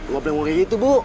ngobrol ngobrol kayak gitu bu